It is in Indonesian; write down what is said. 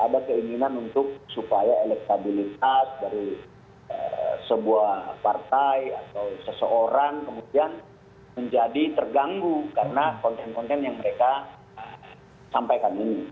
ada keinginan untuk supaya elektabilitas dari sebuah partai atau seseorang kemudian menjadi terganggu karena konten konten yang mereka sampaikan ini